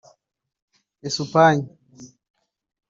Espagne